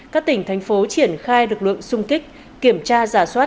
các tỉnh thành phố triển khai lực lượng sung kích kiểm tra giả soát